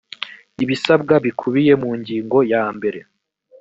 ibisabwa bikubiye mu ngingo ya yambere.